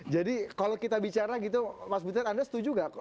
jadi kalau kita bicara gitu mas butet anda setuju nggak